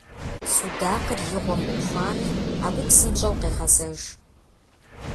Судакъыр и гъуэм Ӏупхуами, абы псынщӀэу къегъэзэж.